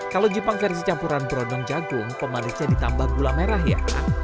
kalau jipang versi campuran perondong jagung pemeriknya ditambah gula merah ya